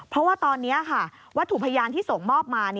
เพราะว่าตอนนี้ค่ะวัตถุพยานที่ส่งมอบมา